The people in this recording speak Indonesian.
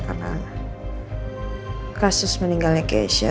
karena kasus kecelakaan keisha